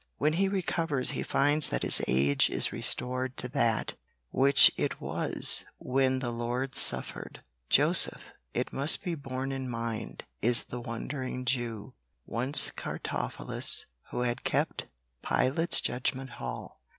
When he recovers he finds that his age is restored to that which it was when the Lord suffered. Joseph, it must be borne in mind, is the Wandering Jew, once Cartaphilus, who had kept Pilate's judgment hall.